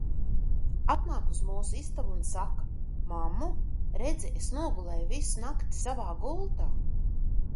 Atnāk uz mūsu istabu un saka "mammu, redzi, es nogulēju visu nakti savā gultā".